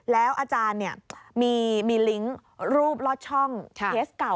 แล้วอาจารย์มีลิงก์รูปลอดช่องเคสเก่า